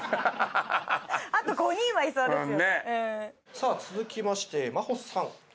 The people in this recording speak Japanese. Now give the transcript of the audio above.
さあ続きましてまほさん。